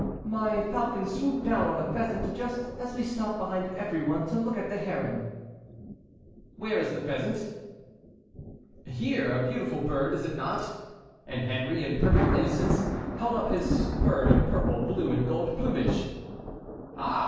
"My falcon swooped down on a pheasant just as we stopped behind every one to look at the heron." "Where is the pheasant?" "Here; a beautiful bird, is it not?" And Henry, in perfect innocence, held up his bird of purple, blue, and gold plumage. "Ah!"